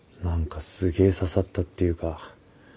何かすげぇ刺さったっていうか